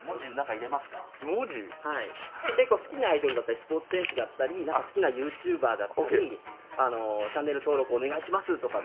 結構好きなアイドルだったりスポーツ選手だったり好きなＹｏｕＴｕｂｅｒだったりチャンネル登録お願いしますとかっていう。